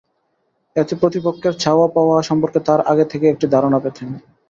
এতে প্রতিপক্ষের চাওয়া পাওয়া সম্পর্ক তাঁরা আগে থেকেই একটি ধারণা পেতেন।